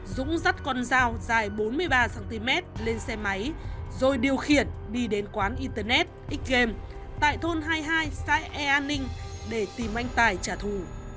dũng dắt con dao dài bốn mươi ba cm lên xe máy rồi điều khiển đi đến quán internet x game tại thôn hai mươi hai xã e an ninh để tìm anh tài trả thù